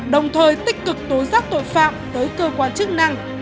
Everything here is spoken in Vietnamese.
đồng thời tích cực tố giác tội phạm tới cơ quan chức năng